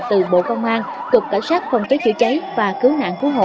từ bộ công an cục cảnh sát phòng cháy chữa cháy và cứu nạn cứu hộ